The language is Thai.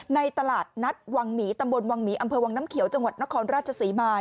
ในตลาดนัดวังหมีตำบลวังหมีอำเภอวังน้ำเขียวจังหวัดนครราชศรีมา